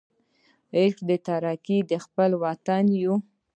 عاشقان د ترقۍ د خپل وطن یو.